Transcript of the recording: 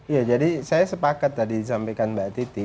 ya jadi saya sepakat tadi disampaikan mbak titi